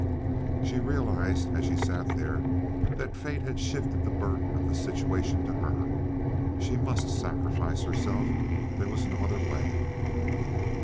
She realized, as she sat there, that fate had shifted the burden of the situation to her. She must sacrifice herself; there was no other way.